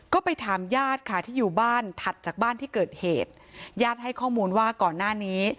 ก็ไปถามญาติค่ะที่อยู่บ้านถัดจากบ้านที่เกิดเหตุญาติให้ข้อมูลว่าก่อนหน้านี้